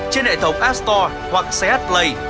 trên hệ thống app store hoặc ch play